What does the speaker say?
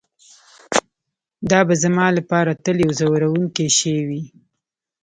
دا به زما لپاره تل یو ځورونکی شی وي